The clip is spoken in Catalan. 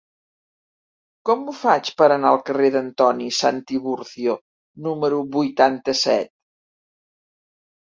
Com ho faig per anar al carrer d'Antoni Santiburcio número vuitanta-set?